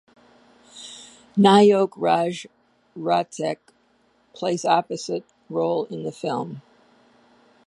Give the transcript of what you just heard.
Nayok Raj Razzak plays opposite role in the film.